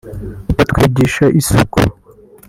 batwigisha isuku